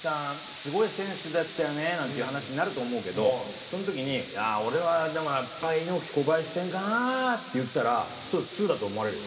すごい選手だったよねなんていう話になると思うけどその時に「俺はでもやっぱ猪木小林戦かな」って言ったらちょっと通だと思われるよ。